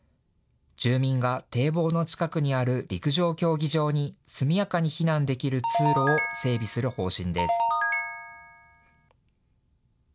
住民が堤防の近くにある陸上競技場に速やかに避難できる通路を整備する方針です。